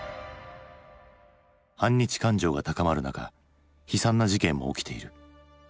反日感情が高まる中悲惨な事件も起きている。